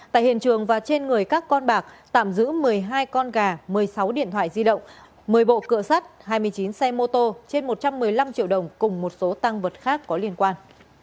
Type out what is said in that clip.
tại hiện trường và trên người các con bạc tạm giữ một mươi hai con gà một mươi sáu điện thoại di động một mươi bộ cựa sắt hai mươi chín xe mô tô trên một trăm một mươi năm triệu đồng cùng một số tăng vật khác có liên quan